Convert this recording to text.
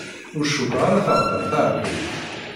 Ur cukkeɣ ara thedder taɛebrit.